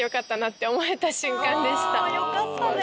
あよかったね。